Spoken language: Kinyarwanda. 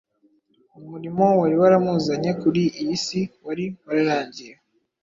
Umurimo wari waramuzanye kuri iyi si wari wararangiye.